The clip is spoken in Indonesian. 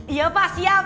iya pak siap